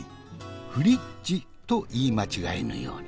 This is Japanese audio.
フリッジと言い間違えぬように。